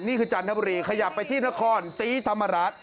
นี่คือจันทบุรีขยับไปที่หน้าครตีธามรัฐ